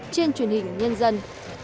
trên truyền hình nhân dân